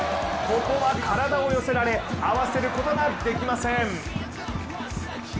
ここは体を寄せられ、合わせることができません。